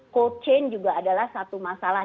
cold chain juga adalah satu masalah